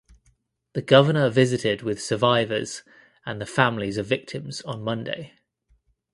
The governor visited with survivors and the families of victims on Monday.